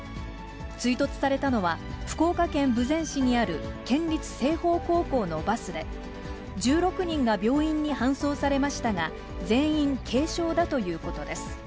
追突されたのは、福岡県豊前市にある県立青豊高校のバスで、１６人が病院に搬送されましたが、全員軽傷だいうことです。